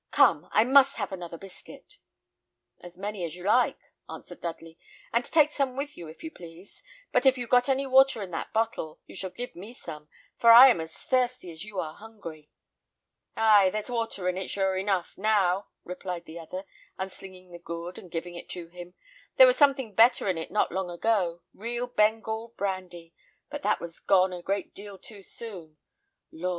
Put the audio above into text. Come, I must have another biscuit." "As many as you like," answered Dudley, "and take some with you, if you please; but if you've got any water in that bottle, you shall give me some, for I am as thirsty as you are hungry." "Ay, there's water in it, sure enough, now," replied the other, unslinging the gourd and giving it to him. "There was something better in it not long ago real Bengal brandy, but that was gone a great deal too soon. Lord!